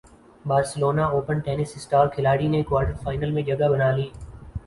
Barcelona Open tennis star کھلاڑی نے quarter final میں جگہ بنا لی